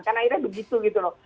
karena akhirnya begitu gitu loh